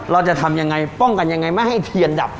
เราจะทำยังไงป้องกันยังไงไม่ให้เทียนดับ